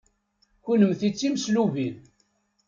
Kennemti d timeslubin.